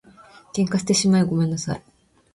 喧嘩してしまいごめんなさい